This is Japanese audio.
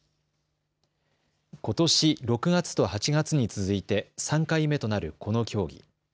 ことし６月と８月に続いて３回目となるこの協議。